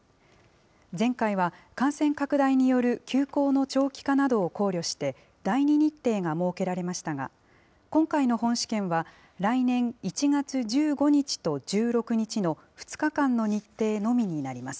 前回は感染拡大による休校の長期化などを考慮して、第２日程が設けられましたが、今回の本試験は、来年１月１５日と１６日の２日間の日程のみになります。